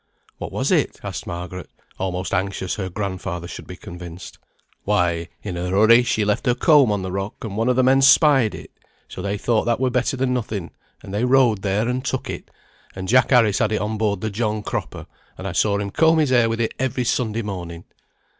"What was it?" asked Margaret, almost anxious her grandfather should be convinced. "Why, in her hurry she left her comb on the rock, and one o' the men spied it; so they thought that were better than nothing, and they rowed there and took it, and Jack Harris had it on board the John Cropper, and I saw him comb his hair with it every Sunday morning."